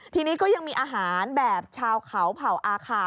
ทีนี้ก็ยังมีอาหารแบบชาวเขาเผ่าอาคา